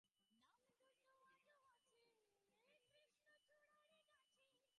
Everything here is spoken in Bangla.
কিন্তু সেরূপ ঘটিল না, তাহাকে অপরিচিত পথে বাহির হইতে হইল।